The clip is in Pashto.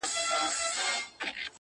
ورور له کلي لرې تللی دی-